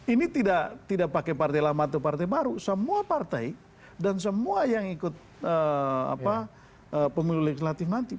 ini tidak pakai partai lama atau partai baru semua partai dan semua yang ikut pemilu legislatif nanti